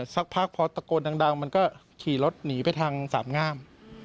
สักพักพอตะโกนดังมันก็ขี่รถหนีไปทางสามงาม